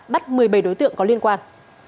bắt một mươi bảy đối tượng có liên quan